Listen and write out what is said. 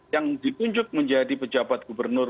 yang ditunjuk menjadi pejabat gubernur